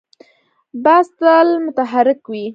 باز تل متحرک وي